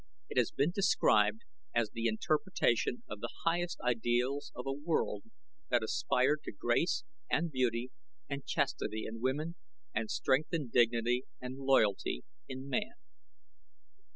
It has been described as the interpretation of the highest ideals of a world that aspired to grace and beauty and chastity in woman, and strength and dignity and loyalty in man.